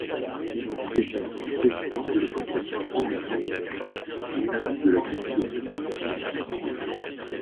Il était vice-président de l'Association Henri-Capitant des amis de la culture juridique française.